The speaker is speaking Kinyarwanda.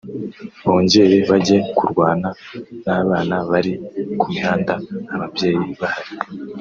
bongere bajye kurwana n’abana bari ku mihanda ababyeyi bahari